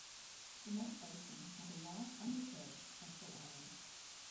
The North Basin has a large, undisturbed, central island.